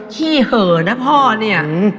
ขี้เหอะนะพ่อเนี่ย